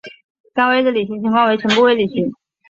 甘薇的履行情况为全部未履行。